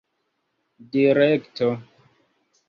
direkto